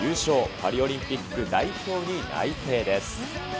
パリオリンピック代表に内定です。